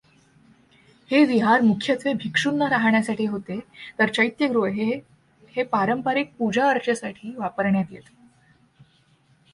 हे विहार मुख्यत्वे भिक्षूंना राहण्यासाठी होते तर चैत्यगृहे हे पारंपरिक पूजाअर्चेसाठी वापरण्यात येत.